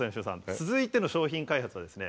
続いての商品開発はですね